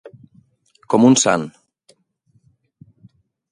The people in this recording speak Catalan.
Com un sant.